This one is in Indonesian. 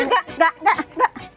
enggak enggak enggak